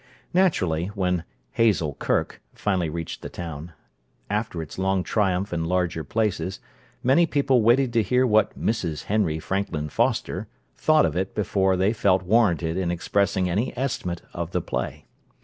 Naturally, when "Hazel Kirke" finally reached the town, after its long triumph in larger places, many people waited to hear what Mrs. Henry Franklin Foster thought of it before they felt warranted in expressing any estimate of the play.